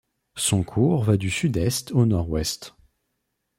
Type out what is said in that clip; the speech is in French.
Son cours va du sud-est au nord-ouest.